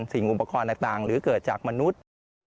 สิ่งอุปกรณ์ต่างหรือเกิดจากมนุษย์